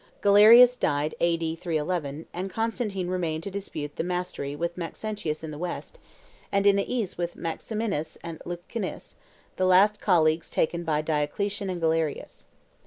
Galerius died A.D. 311 and Constantine remained to dispute the mastery with Maxentius in the West, and in the East with Maximinus and Licinius, the last colleagues taken by Diocletian and Galerius.